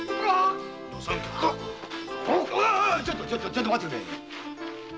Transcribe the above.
ちょっと待ってくれ！